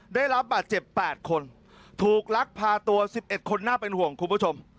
ได้รับบาดเจ็บ๘คนถูกลักพาตัว๑๑คนน่าเป็นห่วงคุณผู้ชม